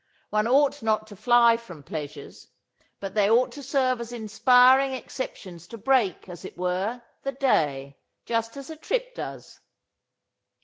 One ought not to fly from pleasures. But they ought to serve as inspiring exceptions to break, as it were, the day, just as a trip does."